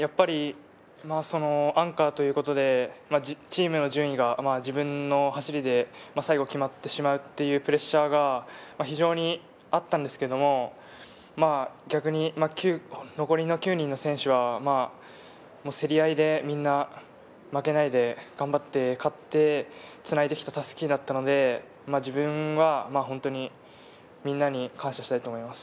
アンカーということでチームの順位が自分の走りで決まってしまうというプレッシャーが非常にあったのですが、逆に残りの９人の選手は競り合いでみんな負けないで頑張って勝ってつないできた襷だったので、自分はみんなに感謝したいと思います。